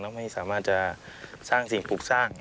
แล้วไม่สามารถจะสร้างสิ่งปลูกสร้าง